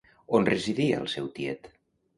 On residia el seu tiet?